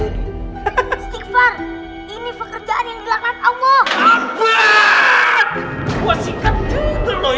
stigfar ini pekerjaan yang dilakukan allah